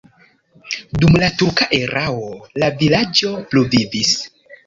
Dum la turka erao la vilaĝo pluvivis.